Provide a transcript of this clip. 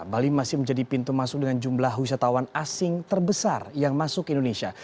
bali masih menjadi pintu masuk dengan jumlah wisatawan asing terbesar yang masuk indonesia